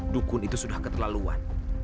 dukun itu sudah keterlaluan